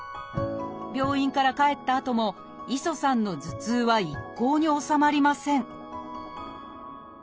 病院から帰ったあとも磯さんの頭痛は一向に治まりません